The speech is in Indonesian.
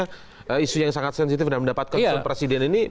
kasus yang sangat sensitif dan mendapat konsisten presiden ini